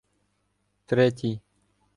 Третій